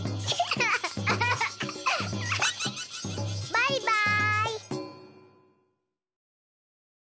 バイバーイ！